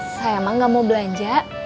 saya emang gak mau belanja